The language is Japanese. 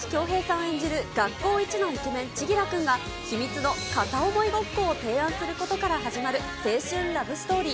演じる学校一のイケメン、千輝くんが秘密の片思いごっこを提案することから始まる、青春ラブストーリー。